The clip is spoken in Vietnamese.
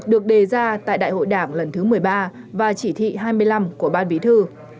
được đề ra tại đại hội đảng lần thứ một mươi ba và chỉ thị hai mươi năm của ban bí thư